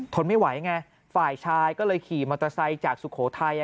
ทนไม่ไหวไงฝ่ายชายก็เลยขี่มอเตอร์ไซค์จากสุโขทัย